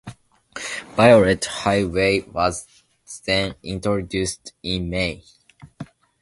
Violet Highway was then introduced (Gwen Taylor) in May.